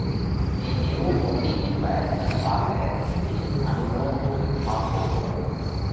۾ ايوو موتِي نِيپئه ان پاڪئه۔ جي انمول ان ۿاسو هوئه۔